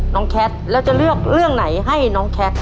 แคทแล้วจะเลือกเรื่องไหนให้น้องแคท